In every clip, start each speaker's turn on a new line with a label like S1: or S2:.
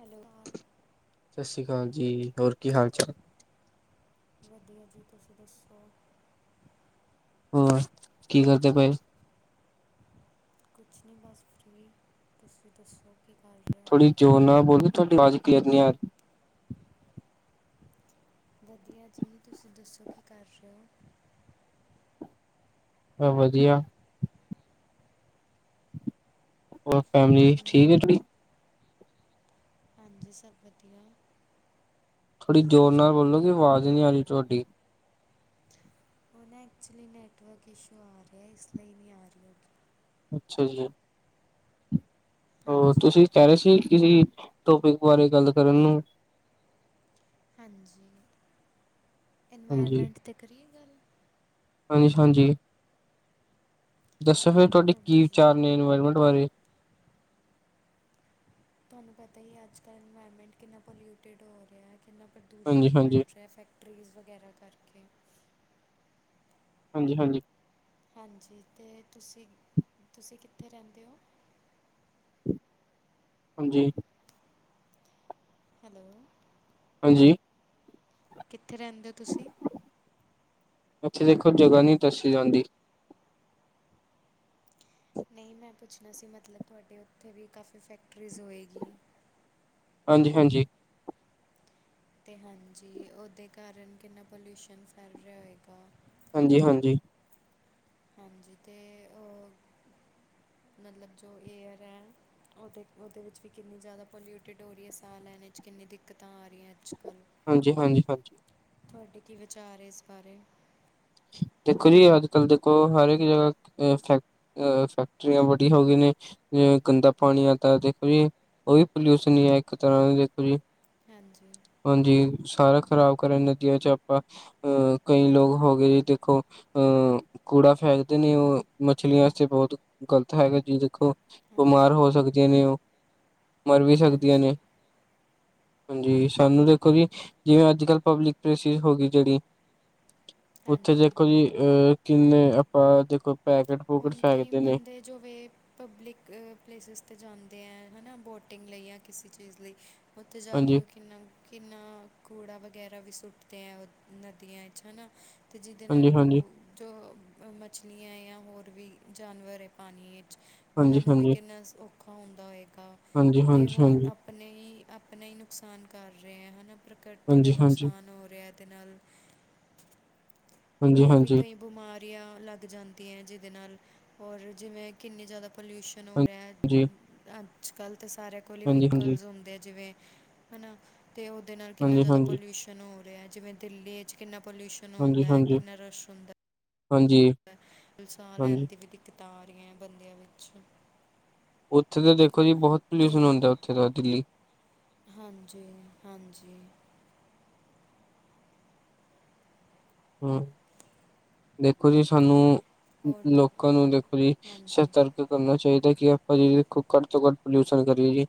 S1: Hello.
S2: ਸਤਿ ਸ਼੍ਰੀ ਅਕਾਲ ਜੀ, ਹੋਰ ਕੀ ਹਾਲ ਚਾਲ?
S1: ਵਧੀਆ ਜੀ, ਤੁਸੀਂ ਦੱਸੋ?
S2: ਹੋਰ ਕੀ ਕਰਦੇ ਪਏ?
S1: ਕੁਛ ਨਹੀਂ ਬਸ ਫਰੀ ਤੁਸੀਂ ਦੱਸੋ ਕਿ ਕਰ ਰਹੇ ਹੋ?
S2: ਜੋਰ ਨਾਲ ਬੋਲੋ ਤੁਹਾਡੀ ਆਵਾਜ਼ ਕਲੀਅਰ ਨਹੀਂ ਆ ਰਹੀ।
S1: ਵਧੀਆ ਜੀ, ਤੁਸੀਂ ਦੱਸੋ ਕੀ ਕਰ ਰਹੇ ਹੋ?
S2: ਵਧੀਆ ਹੋਰ ਫੈਮਿਲੀ ਠੀਕ ਤੁਹਾਡੀ?
S1: ਹਾਂਜੀ, ਸਭ ਵਧੀਆ।
S2: ਥੋੜ੍ਹੀ ਜ਼ੋਰ ਨਾਲ ਬੋਲੋਗੇ ਆਵਾਜ਼ ਨਹੀਂ ਆ ਰਹੀ ਤੁਹਾਡੀ
S1: ਉਹ ਨਾ ਐਕਚੁਅਲੀ ਨੈਟਵਰਕ ਇਸ਼ੂ ਆ ਰਿਹਾ, ਇਸ ਲਈ ਨਹੀਂ ਆ ਰਹੀ ਹੈਗੀ।
S2: ਅੱਛਾ ਜੀ, ਹੋਰ
S1: ਹਾਂਜੀ
S2: ਤੁਸੀਂ ਕਹਿ ਰਹੇ ਸੀ, ਕਿਸੀ ਟੋਪਿਕ ਬਾਰੇ ਗੱਲ ਕਰਨ ਨੂੰ।
S1: ਹਾਂਜੀ,
S2: ਹਾਂਜੀ,
S1: ਇਨਵਾਇਰਮੈਂਟ 'ਤੇ ਕਰੀਏ ਗੱਲ।
S2: ਹਾਂਜੀ, ਹਾਂਜੀ ਦੱਸੋ ਫੇਰ ਤੁਹਾਡੇ ਕੀ
S1: ਹਾਂਜੀ
S2: ਵਿਚਾਰ ਨੇ ਇਨਵਾਇਰਮੈਂਟ ਬਾਰੇ।
S1: ਤੁਹਾਨੂੰ ਪਤਾ ਹੀ ਹੈ, ਅੱਜ ਕੱਲ੍ਹ ਇਨਵਾਇਰਮੈਂਟ ਕਿੰਨਾ ਪੋਲਿਊਟਿਡ ਹੋ ਰਿਹਾ, ਕਿੰਨਾ
S2: ਹਾਂਜੀ,
S1: ਪ੍ਰਦੂਸ਼ਣ
S2: ਹਾਂਜੀ,
S1: ਫੈਲ ਰਿਹਾ। ਫੈਕਟ ਟਰੀਜ਼ ਵਗੈਰਾ ਕਰਕੇ।
S2: ਹਾਂਜੀ, ਹਾਂਜੀ।
S1: ਹਾਂਜੀ ਤੇ ਤੁਸੀਂ, ਤੁਸੀਂ ਕਿੱਥੇ ਰਹਿੰਦੇ ਹੋ?
S2: ਹਾਂਜੀ।
S1: ਹੈਲੋ।
S2: ਹਾਂਜੀ।
S1: ਕਿੱਥੇ ਰਹਿੰਦੇ ਹੋ ਤੁਸੀਂ?
S2: ਉੱਥੇ ਦੇਖੋ ਜਗ੍ਹਾ ਨੀ ਦੱਸੀ ਜਾਂਦੀ।
S1: ਨਹੀਂ ਮੈਂ ਪੁੱਛਣਾ ਸੀ, ਮਤਲਬ ਤੁਹਾਡੇ ਉੱਥੇ ਵੀ ਕਾਫੀ ਫੈਕਟਰੀਜ਼ ਹੋਏਗੀ।
S2: ਹਾਂਜੀ-ਹਾਂਜੀ।
S1: ਤੇ ਹਾਂਜੀ ਉਹਦੇ ਕਾਰਨ ਕਿੰਨਾ ਪੋਲੂਸ਼ਨ ਫੈਲ ਰਿਹਾ ਹੋਏਗਾ।
S2: ਹਾਂਜੀ-ਹਾਂਜੀ।
S1: ਹਾਂਜੀ ਤੇ ਓ ਮਤਲਬ ਜੋ ਏਅਰ ਏ। ਉਹਦੇ-ਉਹਦੇ ਵਿੱਚ ਵੀ ਕਿੰਨੀ ਜ਼ਿਆਦਾ ਪੋਲਿਊਟਿਡ ਹੋ ਰਹੀ ਐ, ਸਾਹ ਲੈਣੇ ਚ ਕਿੰਨੀ ਦਿੱਕਤਾਂ ਆ ਰਹੀਆਂ। ਅੱਜ ਕੱਲ੍ਹ
S2: ਹਾਂਜੀ-ਹਾਂਜੀ-ਹਾਂਜੀ।
S1: ਤੁਹਾਡੇ ਕੀ ਵਿਚਾਰ ਹੈ ਇਸ ਬਾਰੇ।
S2: ਦੇਖੋ ਜੀ, ਅੱਜ-ਕੱਲ ਦੇਖੋ ਹਰ ਇੱਕ ਜਗ੍ਹਾ ਫੈਕ ਅ ਫੈਕਟਰੀਆਂ ਬੜੀਆਂ ਹੋ ਗਏ ਨੇ। ਜਿਵੇਂ ਗੰਦਾ ਪਾਣੀ ਆ ਤਾਂ ਦੇਖੋ ਜੀ ਉਹ ਵੀ ਪੋਲਿਊਸ਼ਨ ਆ, ਇੱਕ ਤਰ੍ਹਾਂ ਦਾ ਦੇਖੋ ਜੀ।
S1: ਹਾਂਜੀ।
S2: ਹਾਂਜੀ, ਸਾਰਾ ਖ਼ਰਾਬ ਕਰਨੇ ਨਦੀਆਂ ਚ ਆਪਾਂ ਅ ਕਈ ਲੋਕ ਹੋ ਗਏ ਦੇਖੋ, ਅਹ ਕੂੜਾ ਫੈਕਦੇ ਨੇ ਉਹ ਮੱਛਲੀਆਂ ਵਾਸਤੇ ਬਹੁਤ ਗ਼ਲਤ ਹੈਗਾ ਜੀ ਦੇਖੋ, ਬਿਮਾਰ
S1: ਹਾਂਜੀ
S2: ਹੋ ਸਕਦੀਆਂ ਨੇ ਉਹ, ਮਰ ਵੀ ਸਕਦੀਆਂ
S1: ਹਾਂਜੀ
S2: ਨੇ। ਹਾਂਜੀ, ਸਾਨੂੰ ਦੇਖੋ ਜੀ ਜਿਵੇਂ ਅੱਜ-ਕੱਲ੍ਹ ਪਬਲਿਕ ਪਲੇਸਿਸ ਹੋ ਗਈ ਜਿਹੜੀ। ਉੱਥੇ
S1: ਹਾਂਜੀ
S2: ਦੇਖੋ ਜੀ ਅਹ ਕਿੰਨੇ ਆਪਾਂ ਦੇਖੋ ਪੈਕੇਟ।
S1: ਹੁਣ ਕਈ ਬੰਦੇ ਜੋ ਵੇ ਪਬਲਿਕ ਪਲੇਸਿਸ ਤੇ ਜਾਂਦੇ ਏ, ਹੈਨਾ ਬੋਟਿੰਗ ਲਈ ਜਾਂ ਕਿਸੇ ਚੀਜ਼ ਲਈ। ਉੱਥੇ ਜਾ ਕੇ
S2: ਹਾਂਜੀ,
S1: ਉਹ ਕਿੰਨਾ। ਕਿੰਨਾ ਕੂੜਾ ਵਗੈਰਾ ਵੀ ਸੁੱਟਦੇ ਏ, ਉਹ ਨਦੀਆਂ ਚ ਹੈਨਾ। ਅਤੇ ਜਿਹਦੇ
S2: ਹਾਂਜੀ,
S1: ਨਾਲ
S2: ਹਾਂਜੀ,
S1: ਉਹ ਜੋ ਮੱਛਲੀਆਂ ਜਾਂ ਹੋਰ। ਵੀ ਜਾਨਵਰ ਐ ਪਾਣੀ ਵਿੱਚ,
S2: ਹਾਂਜੀ,
S1: ਉਹਨਾਂ ਨੂੰ ਵੀ
S2: ਹਾਂਜੀ,
S1: ਕਿੰਨਾ ਔਖਾ ਹੁੰਦਾ ਹੋਏਗਾ।
S2: ਹਾਂਜੀ,
S1: ਤੇ ਹੋਰ
S2: ਹਾਂਜੀ,
S1: ਆਪਣੇ ਹੀ ਆਪਣਾ ਹੀ ਨੁਕਸਾਨ ਕਰ ਰਹੇ ਹੈ ਹਨਾ। ਪ੍ਰਕਿਰਤੀ ਦਾ
S2: ਹਾਂਜੀ, ਹਾਂਜੀ,
S1: ਨੁਕਸਾਨ ਹੋ ਰਿਹਾ, ਇਹਦੇ ਨਾਲ।
S2: ਹਾਂਜੀ, ਹਾਂਜੀ, ਹਾਂਜੀ,
S1: ਹੋਰ ਵੀ
S2: ਹਾਂਜੀ,
S1: ਕਈ ਬਿਮਾਰੀਆਂ ਲੱਗ ਜਾਂਦੀਆਂ, ਜਿਹਦੇ ਨਾਲ ਔਰ ਜਿਵੇਂ ਕਿੰਨੀ ਜ਼ਿਆਦਾ ਪੋਲਿਊਸ਼ਨ ਹੋ ਰਿਹਾ ਐ।
S2: ਹਾਂਜੀ,
S1: ਅੱਜ-ਕੱਲ੍ਹ ਤਾਂ ਸਾਰਿਆਂ ਕੋਲ ਹੀ
S2: ਹਾਂਜੀ,
S1: ਵਹੀਕਲਸ ਹੁੰਦੇ ਜਿਵੇਂ। ਹੈਨਾ ਅਤੇ ਉਹਦੇ ਨਾਲ ਕਿੰਨਾ
S2: ਹਾਂਜੀ, ਹਾਂਜੀ, ਹਾਂਜੀ,
S1: ਜ਼ਿਆਦਾ ਪੋਲਿਊਸ਼ਨ ਹੋ ਰਿਹਾ। ਜਿਵੇਂ ਦਿੱਲੀ ਚ ਕਿੰਨਾ ਪੋਲਿਊਸ਼ਨ ਹੁੰਦਾ ਹੈ
S2: ਹਾਂਜੀ-ਹਾਂਜੀ, ਹਾਂਜੀ।
S1: ਤੇ ਹੁਣ ਸਾਹ ਲੈਣ
S2: ਹਾਂਜੀ,
S1: ਦੀ ਵੀ ਦਿੱਕਤਾਂ ਆ ਰਹੀਆਂ ਬੰਦਿਆਂ ਵਿੱਚ।
S2: ਉੱਥੇ ਤਾਂ ਦੇਖੋ ਜੀ ਬਹੁਤ ਪੋਲਿਊਸ਼ਨ ਹੁੰਦਾ ਉੱਥੇ ਤਾ ਦਿੱਲੀ।
S1: ਹਾਂਜੀ-ਹਾਂਜੀ।
S2: ਹੂੰ, ਦੇਖੋ ਜੀ ਸਾਨੂੰ।
S1: ਹੋਰ ਦ
S2: ਲੋਕਾਂ ਨੂੰ ਦੇਖੋ ਜੀ
S1: ਹਾਂਜੀ
S2: ਸਤਰਕ ਕਰਨਾ ਚਾਹੀਦਾ ਕਿ ਆਪਾਂ ਜੀ ਦੇਖੋ ਘੱਟ ਤੋਂ ਘੱਟ ਪੋਲਿਊਸ਼ਨ ਕਰੀਏ ਜੀ।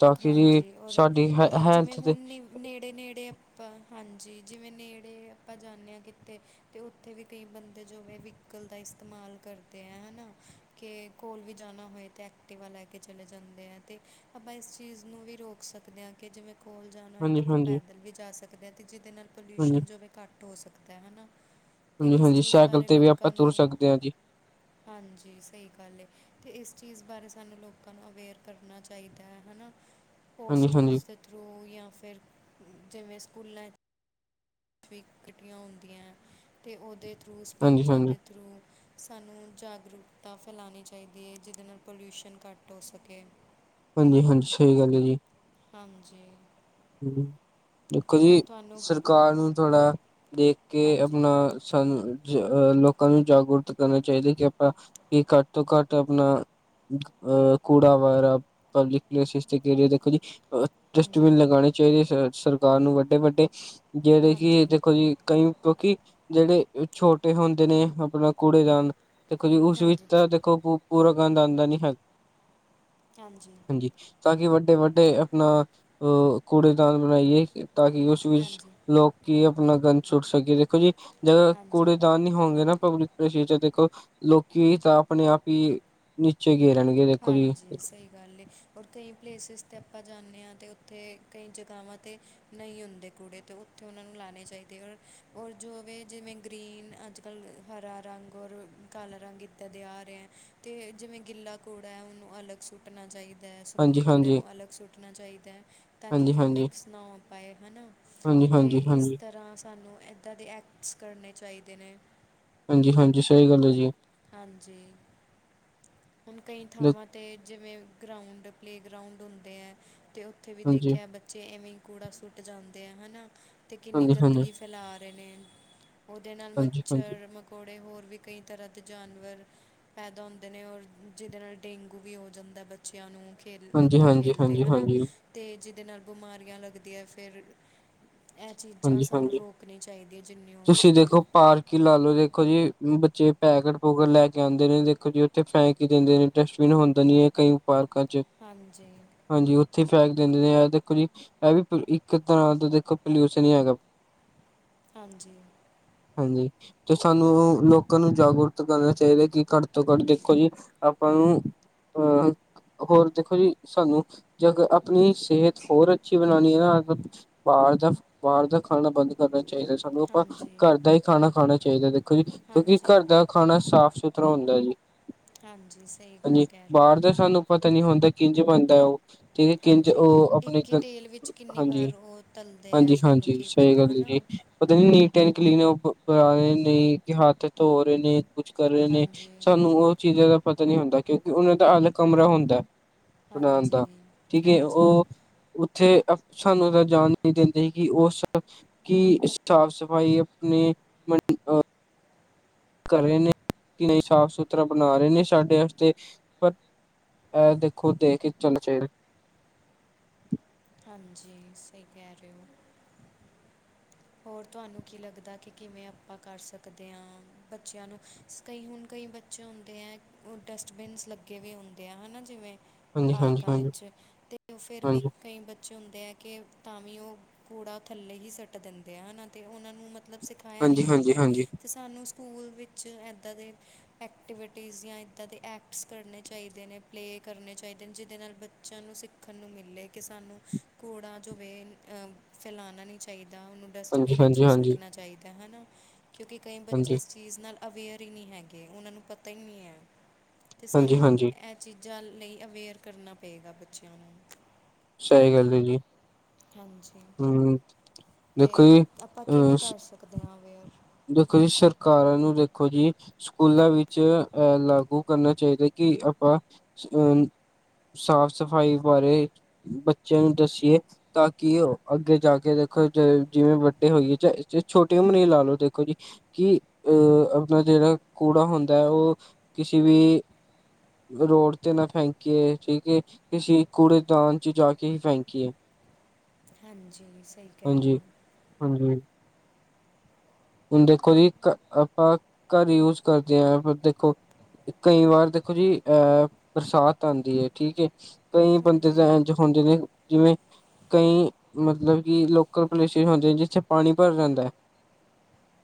S2: ਤਾਂ ਕਿ ਜੀ
S1: ਹਾਂਜੀ, ਔਰ
S2: ਸਾਡੀ ਹੈ
S1: ਮਤਲਬ ਜਿਵੇਂ
S2: ਹੈਲਥ ਤੇ
S1: ਹੁਣ ਨੀ। ਨੇੜੇ-ਨੇੜੇ ਆਪਾਂ ਹਾਂਜੀ, ਜਿਵੇਂ ਨੇੜੇ ਆਪਾਂ ਜਾਂਦੇ ਹਾਂ ਕਿਤੇ। ਤੇ ਉੱਥੇ ਵੀ ਕਈ ਬੰਦੇ ਜੋ ਵੇ ਵਹੀਕਲ ਦਾ ਇਸਤੇਮਾਲ ਕਰਦੇ ਏ ਹੈਨਾ। ਕਿ ਕੋਲ ਵੀ ਜਾਣਾ ਹੋਏ ਅਤੇ ਐਕਟੀਵਾ ਲੈ ਕੇ ਚਲੇ ਜਾਂਦੇ ਏ ਤੇ ਆਪਾਂ ਇਸ। ਚੀਜ਼ ਨੂੰ ਵੀ ਰੋਕ ਸਕਦੇ ਆ ਕਿ ਜਿਵੇਂ ਕੋਲ ਜਾਣਾ ਹੋਏ ਤਾਂ
S2: ਹਾਂਜੀ,
S1: ਆਪਾਂ
S2: ਹਾਂਜੀ,
S1: ਪੈਦਲ ਵੀ ਜਾ ਸਕਦੇ ਆ ਤੇ ਜਿਹਦੇ ਨਾਲ
S2: ਹਾਂਜੀ,
S1: ਪੋਲਿਊਸ਼ਨ ਜੋਵੇ ਘੱਟ ਹੋ ਸਕਦਾ ਹੈ ਹੈਨਾ। ਤੇ
S2: ਹਾਂਜੀ,
S1: ਇਸ
S2: ਹਾਂਜੀ
S1: ਚੀਜ਼
S2: ਸਾਈਕਲ
S1: ਬਾਰੇ
S2: ਤੇ ਵੀ ਆਪਾਂ
S1: ਲੋਕਾਂ
S2: ਤੁਰ
S1: ਨੂੰ।
S2: ਸਕਦੇ ਹਾਂ ਜੀ
S1: ਹਾਂਜੀ, ਸਹੀ ਗੱਲ ਐ ਤੇ ਇਸ ਚੀਜ਼ ਬਾਰੇ ਸਾਨੂੰ ਲੋਕਾਂ ਨੂੰ ਅਵੇਅਰ ਕਰਨਾ ਚਾਹੀਦਾ ਐ ਹਨਾ।
S2: ਹਾਂਜੀ, ਹਾਂਜੀ,
S1: ਪੋਸਟਰਸ ਦੇ ਥਰੂ ਜਾਂ ਫਿਰ ਜਿਵੇਂ ਸਕੂਲਾਂ ਸੀਕਟਾਂ ਹੁੰਦੀਆਂ ਹੈ ਅਤੇ ਉਹਦੇ ਥਰੂ
S2: ਹਾਂਜੀ,
S1: ਸਪੀਚਾਂ
S2: ਹਾਂਜੀ,
S1: ਦੇ ਥਰੂ। ਸਾਨੂੰ ਜਾਗਰੂਕਤਾ ਫੈਲਾਣੀ ਚਾਹੀਦੀ ਐ, ਜਿਹਦੇ ਨਾਲ ਪੋਲਿਊਸ਼ਨ ਘੱਟ ਹੋ ਸਕੇ।
S2: ਹਾਂਜੀ-ਹਾਂਜੀ, ਸਹੀ ਗੱਲ ਐ ਜੀ।
S1: ਹਾਂਜੀ।
S2: ਹਮ। ਦੇਖੋ
S1: ਹੋਰ
S2: ਜੀ
S1: ਤੁਹਾਨੂੰ
S2: ਸਰਕਾਰ ਨੂੰ ਥੋੜ੍ਹਾ ਦੇਖ ਕੇ
S1: ਹਾਂਜੀ
S2: ਆਪਣਾ ਸਾਨੂੰ। ਅਹ ਲੋਕਾਂ ਨੂੰ ਜਾਗਰੂਕ ਕਰਨਾ ਚਾਹੀਦਾ ਕਿ ਆਪਾਂ ਵੀ ਘੱਟ ਤੋਂ ਘੱਟ ਆਪਣਾ। ਅ ਕੂੜਾ ਵਗੈਰਾ ਪਬਲਿਕ ਪਲੇਸ ਤੇ ਗੇਰੇ ਦੇਖੋ ਜੀ ਅ
S1: ਹਾਂਜੀ
S2: ਡਸਟਬਿਨ ਲਗਾਉਣੇ ਚਾਹੀਦੇ ਸਰਕਾਰ ਨੂੰ ਵੱਡੇ- ਵੱਡੇ, ਜਿਹੜੇ
S1: ਹਾਂਜੀ
S2: ਕਿ ਦੇਖੋ ਜੀ ਕਈ ਕਿਉਂਕਿ ਜਿਹੜੇ ਛੋਟੇ ਹੁੰਦੇ ਨੇ ਆਪਣਾ ਕੂੜੇਦਾਨ ਦੇਖੋ ਉਸ
S1: ਹਾਂਜੀ
S2: ਵਿਚ ਦੇਖੋ ਪੂਰਾ ਗੰਦ ਆਉਂਦਾ ਨਹੀਂ ਹੈ ਹਾਂਜੀ ਤਾਂ ਕਿ ਵੱਡੇ- ਵੱਡੇ ਆਪਣਾ ਅਹ ਕੂੜੇਦਾਨ ਬਣਾਈਏ ਤਾਂ ਕਿ ਉਸ ਵਿੱਚ
S1: ਹਾਂਜੀ
S2: ਲੋਕ ਕੀ ਆਪਣਾ ਗੰਦ ਸੁੱਟ ਸਕੀਏ ਦੇਖੋ ਜੀ ਜਦੋਂ
S1: ਹਾਂਜੀ
S2: ਕੂੜੇਦਾਨ ਨੀ ਹੋਣਗੇ ਨਾ ਪਬਲਿਕ ਸ਼ ਦੇਖੋ, ਲੋਕੀ ਤਾਂ ਆਪਣੇ ਆਪ ਹੀ ਨੀਚੇ ਗਏ ਰਹਿਣਗੇ ਦੇਖੋ ਜੀ
S1: ਹਾਂਜੀ ਸਹੀ ਗੱਲ ਔਰ ਕਈ ਪਲੇਸਿਸ 'ਤੇ ਆਪਾਂ ਜਾਂਦੇ ਹਾਂ ਅਤੇ ਉੱਥੇ ਕਈ ਜਗ੍ਹਾਵਾਂ 'ਤੇ ਨਹੀਂ ਹੁੰਦੇ ਕੂੜੇ ਅਤੇ ਉ ਉੱਥੇ ਉਹਨਾਂ ਨੂੰ ਲਾਉਣੇ ਚਾਹੀਦੇ ਔਰ ਔਰ ਜੋ ਵੀ ਜਿਵੇਂ ਗ੍ਰੀਨ ਅੱਜ ਕੱਲ੍ਹ ਹਰਾ ਰੰਗ ਔਰ ਕਾਲ ਰੰਗਤਾਂ ਦੇ ਆ ਰਿਹਾ ਹੈ ਅਤੇ ਜਿਵੇਂ ਗਿੱਲਾ ਕੂੜਾ ਹੈ ਉਹਨੂੰ ਅਲੱਗ ਸੁੱਟਣਾ ਚਾਹੀਦਾ ਹੈ ਸੁੱਕੇ ਕੂੜੇ
S2: ਹਾਂਜੀ-ਹਾਂਜੀ,
S1: ਨੂੰ ਅਲੱਗ ਸੁੱਟਣਾ ਚਾਹੀਦਾ ਹੈ ਤਾਂ ਕਿ ਕਿਉਂ
S2: ਹਾਂਜੀ-ਹਾਂਜੀ,
S1: ਮਿਕਸ ਨਾ ਹੋ ਪਾਏ ਹੈ ਨਾ ਤੇ
S2: ਹਾਂਜੀ-ਹਾਂਜੀ,
S1: ਇਸ
S2: ਹਾਂਜੀ।
S1: ਤਰ੍ਹਾਂ ਸਾਨੂੰ ਇੱਦਾਂ ਦੇ ਐਕਟਸ ਕਰਨੇ ਚਾਹੀਦੇ ਨੇ
S2: ਹਾਂਜੀ -ਹਾਂਜੀ ਸਹੀ ਗੱਲ ਹੈ ਜੀ
S1: ਹਾਂਜੀ, ਹੁਣ ਕਈ ਥਾਵਾਂ ਤੇ ਜਿਵੇਂ ਗਰਾਊਂਡ ਪਲੇਗਰਾਊਂਡ ਹੁੰਦੇ ਹੈ ਤੇ ਉੱਥੇ ਵੀ
S2: ਹਾਂਜੀ,
S1: ਦੇਖਿਆ ਬੱਚੇ ਐਵੇਂ ਕੂੜਾ ਸੁੱਟ ਜਾਂਦੇ ਆ ਹਨਾ ਤੇ ਕਿੰਨੀ
S2: ਹਾਂਜੀ-ਹਾਂਜੀ,
S1: ਗੰਦਗੀ ਫੈਲਾ ਰਹੇ ਨੇ ਉਹਦੇ ਨਾਲ
S2: ਹਾਂਜੀ-ਹਾਂਜੀ,
S1: ਮੱਛਰ ਮਕੌੜੇ ਹੋਰ ਵੀ ਕਈ ਤਰ੍ਹਾਂ ਜਾਨਵਰ ਪੈਦਾ ਹੁੰਦੇ ਨੇ ਔਰ ਜਿਹਦੇ ਨਾਲ ਡੇਂਗੂ ਵੀ ਹੋ ਜਾਂਦਾ ਬੱਚਿਆਂ ਨੂੰ ਖੇਲ ਉੱਥੇ
S2: ਹਾਂਜੀ-ਹਾਂਜੀ,
S1: ਖੇਲਦੇ ਹਨਾ
S2: ਹਾਂਜੀ-ਹਾਂਜੀ,
S1: ਤੇ ਜਿਹਦੇ ਨਾਲ ਬਿਮਾਰੀਆਂ ਲੱਗਦੀਆਂ ਫਿਰ ਇਹ ਚੀਜ਼ਾਂ ਸਾਨੂੰ
S2: ਹਾਂਜੀ-ਹਾਂਜੀ।
S1: ਰੋਕਣੀ ਚਾਹੀਦੀਆਂ ਜਿੰਨੀ ਹੋ ਸਕੇ
S2: ਕਿ ਲਾ ਲੋੋ ਦੇਖੋ ਜੀ ਬੱਚੇ ਪੈਕੇਟ ਪੋਕਟ ਲੈ ਕੇ ਆਉਂਦੇ ਨੇ ਦੇਖੋ ਜੀ ਉੱਥੇ ਫੈਂਕ ਦਿੰਦੇ ਨੇ ਡਸਟਬਿਨ ਹੁੰਦਾ ਨਹੀ ਹੈ ਕਈ ਪਾਰਕਾਂ ਚ
S1: ਹਾਂਜੀ
S2: ਹਾਂਜੀ ਉੱਥੇ ਫੈਕ ਦਿੰਦੇ ਨੇ ਇਹ ਦੇਖੋ ਜੀ, ਇਹ ਵੀ ਇੱਕ ਤਰ੍ਹਾਂ ਦਾ ਦੇਖੋ ਪਲਿ ਸਨੀ ਹੈਗਾ
S1: ਹਾਂਜੀ
S2: ਹਾਂਜੀ ਤੇ ਸਾਨੂੰ ਲੋਕਾਂ ਨੂੰ ਜਾਗਰੂਕ ਕਰਨਾ ਚਾਹੀਦਾ ਕਿ ਘੱਟ ਤੋਂ ਘੱਟ ਦੇਖੋ ਜੀ ਆਪਾਂ ਨੂੰ ਅਹ ਹੋਰ ਦੇਖੋ ਜੀ ਸਾਨੂੰ ਜ ਆਪਣੀ ਸਿਹਤ ਹੋਰ ਅੱਛੀ ਬਣਾਉਣੀ ਹੈ ਨਾ ਬਾਹਰ ਦਾ ਬਾਹਰ ਦਾ ਖਾਣਾ ਬੰਦ ਕਰਨਾ ਚਾਹੀਦਾ ਸਾਨੂੰ ਆਪਾਂ
S1: ਹਾਂਜੀ
S2: ਘਰ ਦਾ ਹੀ ਖਾਣਾ ਖਾਣਾ ਚਾਹੀਦਾ ਜੀ ਕਿਉਂਕਿ
S1: ਹਾਂਜੀ
S2: ਘਰ ਦਾ ਖਾਣਾ ਸਾਫ਼ ਸੁਥਰਾ ਹੁੰਦਾ ਜੀ
S1: ਹਾਂਜੀ ਸਹੀ ਗੱਲ
S2: ਹਾਂਜੀ
S1: ਕਹਿ ਰਹੇ
S2: ਬਾਹਰ
S1: ਹੋ
S2: ਦਾ ਸਾਨੂੰ ਪਤਾ ਨਹੀਂ ਹੁੰਦਾ ਕਿੰਝ ਬਣਦਾ ਉਹ ਠੀਕ ਕਿੰਝ
S1: ਹਾਂਜੀ
S2: ਉਹ ਆਪਣੇ
S1: ਇੱਕ ਹੀ ਤੇਲ ਵਿੱਚ ਕਿੰਨੀ
S2: ਹਾਂਜੀ-
S1: ਵਾਰ ਉਹ ਤਲਦੇ ਆ
S2: ਹਾਂਜੀ
S1: ਸਾਨੂੰ
S2: ਹਾਂਜੀ
S1: ਕੀ
S2: ਸਹੀ
S1: ਪਤਾ
S2: ਗੱਲ
S1: ਨਾ
S2: ਹੈ ਜੀ ਪਤਾ ਨੀ ਨੀਟ ਐਂ ਕਲੀਨ ਉਹ ਰਹੇ ਨਹੀਂ ਤੇ ਹੱਥ ਧੋ ਰਹੇ ਨੇ ਕੁਛ ਕਰ ਰਹੇ ਨੇ
S1: ਹਾਂਜੀ
S2: ਸਾਨੂੰ ਉਹ ਚੀਜ਼ਾਂ ਦਾ ਪਤਾ ਨਹੀਂ ਹੁੰਦਾ ਕਿਉਂਕਿ ਉਹਨਾਂ ਦਾ ਅਲੱਗ ਕਮਰਾ ਹੁੰਦਾ ਬਣਾਉਣ
S1: ਹਾਂਜੀ
S2: ਦਾ, ਠੀਕ ਹੈ
S1: ਹਾਂਜੀ
S2: ਉਹ ਉੱਥੇ ਸਾਨੂੰ ਇਹਦਾ ਜਾਣ ਨਹੀਂ ਦਿੰਦੇ ਕਿ ਉਹ ਕੀ ਸਾਫ਼ ਸਫ਼ਾਈ ਆਪਣੇ ਅ ਕਰ ਰਹੇ ਨੇ ਕਿ ਨਹੀਂ ਸਾਫ਼ ਸੁਥਰਾ ਬਣਾ ਰਹੇ ਨੇ ਸਾਡੇ ਵਾਸਤੇ ਪਰ ਅ ਦੇਖੋ ਦੇਖ ਕੇ ਚੱਲ ਚਾਹੀਦਾ
S1: ਹਾਂਜੀ ਸਹੀ ਕਹਿ ਰਹੇ ਹੋ ਹੋਰ ਤੁਹਾਨੂੰ ਕੀ ਲੱਗਦਾ ਕਿ ਕਿਵੇਂ ਆਪਾਂ ਕਰ ਸਕਦੇ ਹਾਂ ਬੱਚਿਆਂ ਨੂੰ ਕਈ ਹੁਣ ਕਈ ਬੱਚੇ ਹੁੰਦੇ ਹੈ, ਉਹ ਡਸਟਬਿਨਸ ਲੱਗੇ ਵੀ ਹੁੰਦੇ ਆ, ਹੈ ਨਾ ਜਿਵੇਂ
S2: ਹਾਂਜੀ-ਹਾਂਜੀ-ਹਾਂਜੀ-ਹਾਂਜੀ
S1: ਪਾਰਕਾਂ ਵਿੱਚ, ਤੇ ਉਹ ਫੇਰ ਵੀ ਕਈ ਬਚੇ ਹੁੰਦੇ ਹੈ, ਕਿ ਤਾਂ ਵੀ ਉਹ ਕੂੜਾ ਥੱਲੇ ਹੀ ਸੁੱਟ ਦਿੰਦੇ ਆ, ਹੈਨਾ ਤੇ ਉਹਨਾਂ ਨੂੰ ਮਤਲਬ ਸਿਖਾਇਆ ਨਹੀਂ ਜਾਂਦਾ ਅਤੇ ਸਾਨੂੰ ਸਕੂਲ ਵਿੱਚ ਇੱਦਾਂ ਦੇ, ਐਕਟੀਵਿਟੀਜ਼ ਜਾਂ ਇੱਦਾਂ ਦੇ ਐਕਟਸ ਕਰਨੇ ਚਾਹੀਦੇ ਨੇ ਪਲੇਅ ਕਰਨੇ ਚਾਹੀਦੇ ਨੇ, ਜਿਹਦੇ ਨਾਲ ਬੱਚਿਆਂ ਨੂੰ ਸਿੱਖਣ ਨੂੰ ਮਿਲੇ ਕਿ ਸਾਨੂੰ ਘੋੜਾ ਜੋਵੇ ਫੈਲਾਉਣਾ ਨਹੀਂ ਚਾਹੀਦਾ, ਉਹਨੂੰ ਡਸਟਬਿਨ ਵਿੱਚ ਹੀ ਸੁੱਟਣਾ
S2: ਹਾਂਜੀ-ਹਾਂਜੀ-ਹਾਂਜੀ-ਹਾਂਜੀ-ਹਾਂਜੀ-ਹਾਂਜੀ-ਹਾਂਜੀ-ਹਾਂਜੀ-ਹਾਂਜੀ
S1: ਚਾਹੀਦਾ ਹੈਨਾ, ਕਿਉਂਕਿ ਕਈ ਬੱਚੇ ਇਸ ਚੀਜ਼ ਨਾਲ ਅਵੇਅਰ ਹੀ ਨਹੀਂ ਹੈਗੇ, ਉਹਨਾਂ ਨੂੰ ਪਤਾ ਹੀ ਨਹੀਂ ਹੈ, ਅਤੇ ਸਾਨੂੰ ਇਹ ਚੀਜ਼ਾਂ ਲਈ, ਅਵੇਅਰ ਕਰਨਾ ਪਏਗਾ ਬੱਚਿਆਂ ਨੂੰ
S2: ਸਹੀ ਗੱਲ ਹੈ ਜੀ
S1: ਹਾਂਜੀ,
S2: ਹਮ
S1: ਤੇ
S2: ਦੇਖੋ ਜੀ
S1: ਆਪਾਂ
S2: ਅ
S1: ਕਿਵੇਂ ਕਰ ਸਕਦੇ ਹਾਂ, ਅਵੇਅਰ
S2: ਦੇਖੋ ਜੀ, ਸਰਕਾਰਾਂ ਨੂੰ ਦੇਖੋ ਜੀ ਸਕੂਲਾਂ ਵਿੱਚ ਅਹ, ਲਾਗੂ ਕਰਨਾ ਚਾਹੀਦਾ, ਕਿ ਆਪਾਂ ਅਹ ਸਾਫ਼, ਸਫ਼ਾਈ ਬਾਰੇ ਬੱਚਿਆਂ ਨੂੰ ਦਸੀਏ ਤਾਂ ਕਿ, ਉਹ ਅੱਗੇ ਜਾ ਕੇ ਦੇਖੋ ਜ ਜਿਵੇਂ ਵੱਡੇ ਹੋਈਏ, ਚਾਹੇ ਛੋਟੀ ਉਮਰ ਹੀ ਲਾ ਲਓ, ਦੇਖੋ ਦੇੋ ਜੀ, ਕਿ ਅਹ ਆਪਣਾ ਜਿਹੜਾ ਕੂੜਾ ਹੁੰਦਾ ਹੈ, ਉਹ ਕਿਸੇ ਵੀ ਰੋਡ ਤੇ ਨਾ ਫੈਕੀਏ, ਠੀਕ ਐ, ਕਿਸੀ ਕੂੜੇਦਾਨ ਚ ਜਾ ਕੇ ਹੀ ਫੈਂਕੀਏ
S1: ਹਾਂਜੀ, ਸਹੀ ਕਹਿ ਰਹੇ
S2: ਹਾਂਜੀ
S1: ਹੋ
S2: ਹਾਂਜੀ ਹੁਣ ਦੇਖੋ ਜੀ, ਆਪਾਂ ਘਰ ਯੂਜ ਕਰਦੇ ਹਾਂ, ਦੇਖੋ ਕਈ ਵਾਰ ਦੇਖੋ ਜੀ, ਅਹ ਬਰਸਾਤ ਆਉਂਦੀ ਹੈ, ਠੀਕ ਹੈ, ਕਈ ਬੰਦੇ
S1: ਹਾਂਜੀ
S2: ਦਾ ਹੁਣ ਜਿਵੇਂ ਜਿਵੇਂ ਕਈ ਮਤਲਬ ਕਿ ਲੋਕਲ ਪਲੇਸਿਸ ਹੁੰਦੇ, ਜਿੱਥੇ ਪਾਣੀ ਭਰ ਜਾਂਦਾ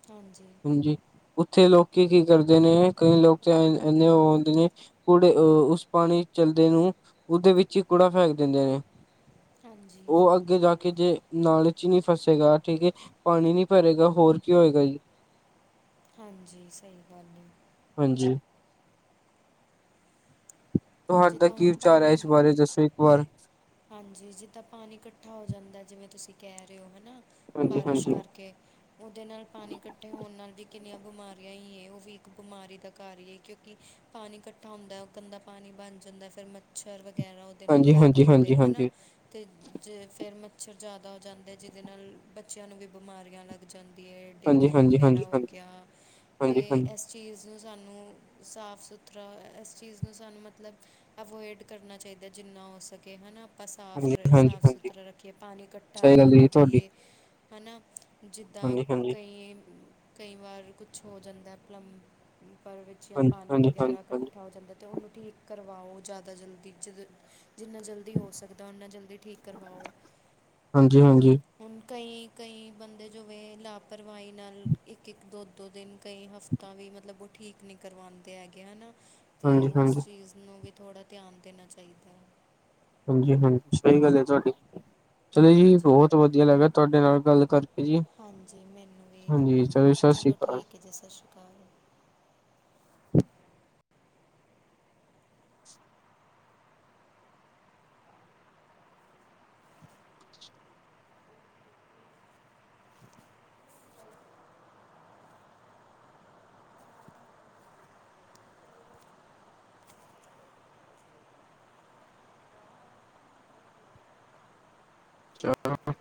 S1: ਹਾਂਜੀ
S2: ਹਾਂਜੀ, ਉੱਥੇ ਲੋਕ ਕੀ ਕਰਦੇ ਨੇ, ਕਈ ਲੋਕ ਤਾਂ ਇੰਨੇ ਉਹ ਹੋਣਦੇ ਨੇ ਕੂੜੇ, ਅਹ ਉਸ ਪਾਣੀ ਚੱਲਦੇ ਨੂੰ, ਉਹਦੇ ਵਿੱਚ ਹੀ ਕੂੜਾ ਫੈਕ ਦਿੰਦੇ ਨੇ
S1: ਹਾਂਜੀ
S2: ਉਹ ਅੱਗੇ ਜਾ ਕੇ ਜੇ ਨਾਲੇ ਚ ਹੀ ਨਹੀਂ ਫਸੇਗਾ ਠੀਕ ਹੈ, ਪਾਣੀ ਨੀ ਭਰੇਗਾ ਹੋਰ ਕੀ ਹੋਏਗਾ ਜੀ
S1: ਹਾਂਜੀ, ਸਹੀ ਗੱਲ ਏ
S2: ਹਾਂਜੀ ਤੁਹਾਡੇ
S1: ਜਿੱਦਾਂ
S2: ਕੀ
S1: ਹੁਣ
S2: ਵਿਚਾਰ ਹੈ,
S1: ਪਾਣੀ
S2: ਇਸ
S1: ਵੀ-
S2: ਬਾਰੇ, ਦੱਸੋ ਇੱਕ ਵਾਰ
S1: ਹਾਂਜੀ ਜਿੱਦਾਂ ਪਾਣੀ ਇਕੱਠਾ ਹੋ ਜਾਂਦਾ, ਜਿਵੇਂ ਤੁਸੀਂ ਕਹਿ ਰਹੇ ਹੋ, ਹੈ ਨਾ
S2: ਹਾਂਜੀ,
S1: ਬਾਰਿਸ਼
S2: ਹਾਂਜੀ।
S1: ਕਰਕੇ ਉਹਦੇ ਨਾਲ ਪਾਣੀ ਇਕੱਠੇ ਹੋਣ ਨਾਲ ਵੀ ਕਿੰਨੀਆਂ ਬਿਮਾਰੀਆਂ ਹੀ ਹੈ, ਉਹ ਵੀ ਇੱਕ ਬਿਮਾਰੀ ਦਾ ਕਾਰ ਹੀ ਹੈ, ਕਿਉਂਕਿ ਪਾਣੀ ਇਕੱਠਾ ਹੁੰਦਾ, ਉਹ ਗੰਦਾ ਪਾਣੀ ਬਣ ਜਾਂਦਾ, ਫਿਰ ਮੱਛਰ ਵਗੈਰਾ ਉਹਦੇ ਨਾਲ
S2: ਹਾਂਜੀ,
S1: ਪੈਦਾ
S2: ਹਾਂਜੀ,
S1: ਹੁੰਦਾ
S2: ਹਾਂਜੀ, ਹਾਂਜੀ, ਹਾਂਜੀ,
S1: ਤੇ ਜੇ ਫੇਰ ਮੱਛਰ ਜ਼ਿਆਦਾ ਹੋ ਜਾਂਦੇ, ਜਿਹਦੇ ਨਾਲ ਬੱਚਿਆਂ ਨੂੰ ਵੀ ਬਿਮਾਰੀਆਂ ਲੱਗ ਜਾਂਦੀ ਹੈ,
S2: ਹਾਂਜੀ,
S1: ਡੇਂਗੂ
S2: ਹਾਂਜੀ,
S1: ਵਗੈਰਾ
S2: ਹਾਂਜੀ, ਹਾਂਜੀ,
S1: ਹੋ
S2: ਹਾਂਜੀ।
S1: ਗਿਆ, ਤੇ
S2: ਹਾਂਜੀ,
S1: ਇਸ ਚੀਜ਼ ਨੂੰ ਸਾਨੂੰ ਸਾਫ -ਸੁਥਰਾ, ਇਸ ਚੀਜ਼ ਨੂੰ ਸਾਨੂੰ ਮਤਲਬ ਅਵੋਇਡ ਕਰਨਾ ਚਾਹੀਦਾ, ਜਿੰਨਾ ਹੋ ਸਕੇ ਹੈਨਾ ਆਪਾਂ ਸਾਫ਼ ਰ
S2: ਹਾਂਜੀ,
S1: ਸਾਫ਼
S2: ਹਾਂਜੀ
S1: ਸੁਥਰਾ ਰੱਖੀਏ, ਪਾਣੀ ਇਕੱਠਾ ਨਾ
S2: ਸਹੀ ਗੱਲ
S1: ਹੋਣ
S2: ਜੀ ਤੁਹਾਡੀ
S1: ਦੇਈਯੇ। ਹੈ ਨਾ, ਜਿੱਦਾਂ
S2: ਹਾਂਜੀ, ਹਾਂਜੀ,
S1: ਕਈ ਕਈ ਵਾਰ ਕੁਛ ਹੋ ਜਾਂਦਾ, ਪਲੰਮ ਪਰ, ਵਿੱਚ ਜਾਂ
S2: ਹਾਂਜੀ,
S1: ਪਾਣੀ
S2: ਹਾਂਜੀ,
S1: ਵਗੈਰਾ
S2: ਹਾਂਜੀ, ਹਾਂਜੀ।
S1: ਇਕੱਠਾ ਹੋ ਜਾਂਦਾ ਅਤੇ ਉਹਨੂੰ ਠੀਕ ਕਰਵਾਓ ਜ਼ਿਆਦਾ ਜਲਦੀ, ਜਦ ਜਿੰਨਾ ਜਲਦੀ ਹੋ ਸਕਦਾ, ਉਨਾ ਜਲਦੀ ਠੀਕ ਕਰਵਾਓ
S2: ਹਾਂਜੀ, ਹਾਂਜੀ,
S1: ਹੁਣ ਕਈ, ਕਈ ਬੰਦੇ ਜੋਵੇ ਲਾਪਰਵਾਹੀ ਨਾਲ ਇੱਕ- ਇੱਕ, ਦੋ -ਦੋ ਦਿਨ ਕਈ ਹਫ਼ਤੇ ਤਾਂ ਵੀ ਮਤਲਬ, ਉਹ ਠੀਕ ਨਹੀਂ ਕਰਵਾਉਂਦੇ ਹੈਗੇ, ਹੈਨਾ ਤੇ
S2: ਹਾਂਜੀ,
S1: ਉਸ
S2: ਹਾਂਜੀ,
S1: ਚੀਜ਼ ਨੂੰ ਵੀ, ਥੋੜ੍ਹਾ ਧਿਆਨ ਦੇਣਾ ਚਾਹੀਦਾ ਹੈ।
S2: ਹਾਂਜੀ- ਹਾਂਜੀ ਸਹੀ ਗੱਲ ਹੈ, ਤੁਹਾਡੀ, ਚਲੋ ਜੀ,
S1: ਹਾਂਜੀ
S2: ਬਹੁਤ ਵਧੀਆ ਲੱਗਾ ਤੁਹਾਡੇ ਨਾਲ ਗੱਲ ਕਰਕੇ। ਜੀ
S1: ਹਾਂਜੀ, ਮੈਨੂੰ ਵੀ,
S2: ਹਾਂਜੀ ਸਤਿ ਸ਼੍ਰੀ
S1: ਚਲੋ
S2: ਅਕਾਲ।
S1: ਠੀਕ ਹੈ ਜੀ, ਸਤਿ ਸ਼੍ਰੀ ਅਕਾਲ।
S2: ਚਲੋ